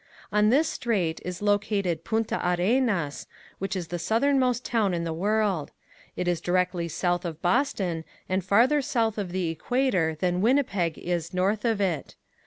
On this strait is located Punta Arenas, which is the southernmost town in the world. It is directly south of Boston and farther south of the equator than Winnipeg is north of it.